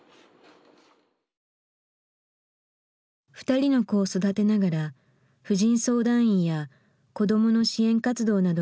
２人の子を育てながら婦人相談員や子どもの支援活動などに奔走。